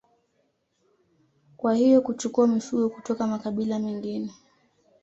Kwa hiyo kuchukua mifugo kutoka makabila mengine